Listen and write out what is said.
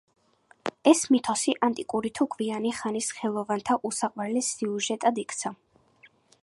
ეს მითოსი ანტიკური თუ გვიანი ხანის ხელოვანთა უსაყვარლეს სიუჟეტად იქცა.